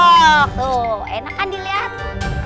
tuh enak kan diliat